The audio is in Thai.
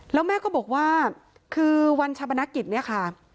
แล้วแม่ก็บอกว่าคือวันชาปนกิจเนี่ยค่ะ